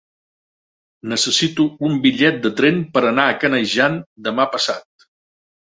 Necessito un bitllet de tren per anar a Canejan demà passat.